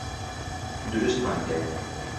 دروستمان کرد.